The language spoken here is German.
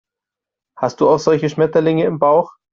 Hast du auch solche Schmetterlinge im Bauch?